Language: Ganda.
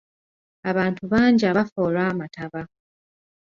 Abantu bangi abafa olw'amataba.